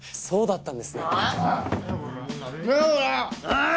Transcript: そうだったんですね。ああ？